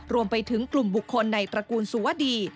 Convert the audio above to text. รวมไปถึงกลุ่มบุคคลในตระกูลสุวดี